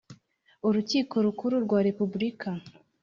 Urukiko Rukuru rwa Repubulika